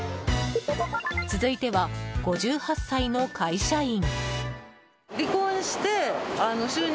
続いては５８歳の会社員。